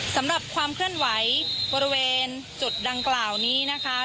สำหรับความเคลื่อนไหวบริเวณจุดดังกล่าวนี้นะคะ